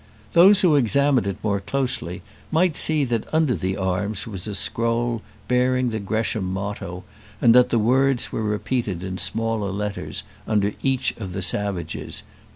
Those who examined it more closely might see that under the arms was a scroll bearing the Gresham motto, and that the words were repeated in smaller letters under each of the savages.